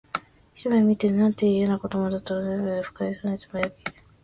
ひとめ見てすぐ、「なんて、いやな子供だ」と頗る不快そうに呟き、